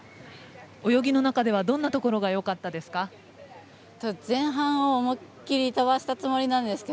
泳ぎの中ではどんなところがよかったですか？